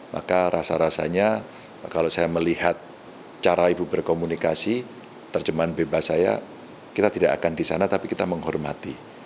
maka rasa rasanya kalau saya melihat cara ibu berkomunikasi terjemahan bebas saya kita tidak akan di sana tapi kita menghormati